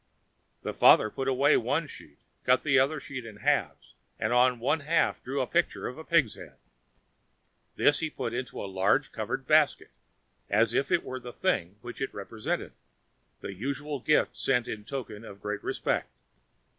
The father put away one sheet, cut the other sheet in halves, and on one half drew a picture of a pig's head. This he put into a large covered basket, as if it were the thing which it represented—the usual gift sent in token of great respect.